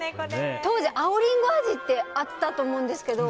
当時、青リンゴ味ってあったと思うんですけど。